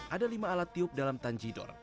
ada lima alat tiup dalam tanjidor